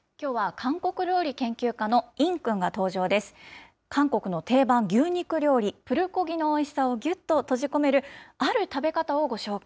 韓国の定番、牛肉料理、プルコギのおいしさをぎゅっと閉じ込める、ある食べ方をご紹介。